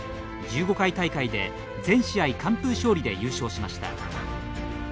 １５回大会で全試合完封勝利で優勝しました。